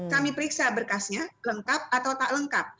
kami periksa berkasnya lengkap atau tak lengkap